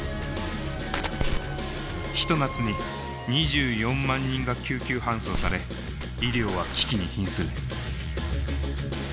一夏に２４万人が救急搬送され医療は危機に瀕する。